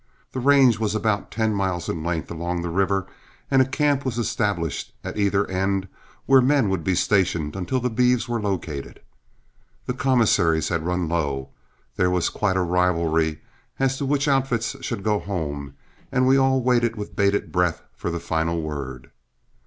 The range was about ten miles in length along the river, and a camp was established at either end where men would be stationed until the beeves were located. The commissaries had run low, there was a quiet rivalry as to which outfits should go home, and we all waited with bated breath for the final word.